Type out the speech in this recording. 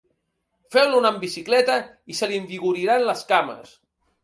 Feu-lo anar amb bicicleta i se li envigoriran les cames.